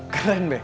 darah buat pengaruh